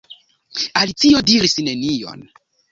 Alicio diris nenion.